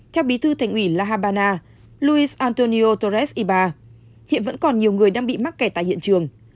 theo bí thư thành ủy la habana luis antonio torres ibar hiện vẫn còn nhiều người đang bị mắc kè tại hiện trường